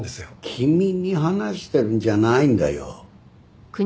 君に話してるんじゃないんだよ。